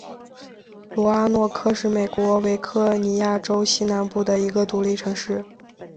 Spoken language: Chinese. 罗阿诺克是美国维吉尼亚州西南部的一个独立城市。